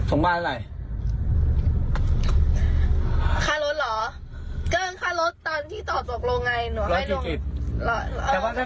โอเคเรายอมจ่าย๑๔๐